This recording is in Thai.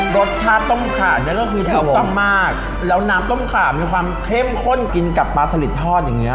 รสชาติต้มขาดเนี่ยก็คือถูกต้องมากแล้วน้ำต้มขามีความเข้มข้นกินกับปลาสลิดทอดอย่างเงี้